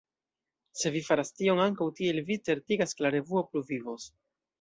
Se vi faras tion, ankaŭ tiel vi certigas, ke la revuo pluvivos.